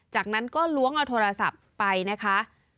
จากนั้นก็ล้วงเอาโทรศัพท์ไปนะคะ